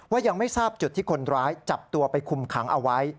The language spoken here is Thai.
ยังไม่ทราบจุดที่คนร้ายจับตัวไปคุมขังเอาไว้